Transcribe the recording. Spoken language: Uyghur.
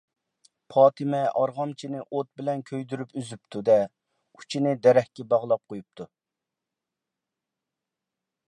پاتىمە ئارغامچىنى ئوت بىلەن كۆيدۈرۈپ ئۈزۈپتۇ-دە، ئۇچىنى دەرەخكە باغلاپ قويۇپتۇ.